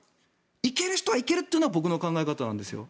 行ける人は行けるというのが僕の考え方なんですよ。